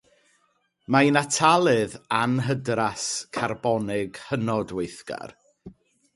Mae'n atalydd anhydras carbonig hynod weithgar.